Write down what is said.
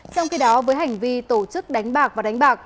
trong khi đó với hành vi tổ chức đánh bạc và đánh bạc